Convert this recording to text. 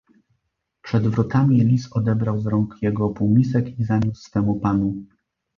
"Przed wrotami lis odebrał z rąk jego półmisek i zaniósł swemu panu."